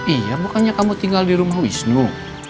iya bukannya kamu tinggal di rumah wisnu